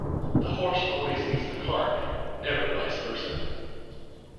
The horse always leads the cart, never vice versa.